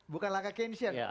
bukan langkah keynesian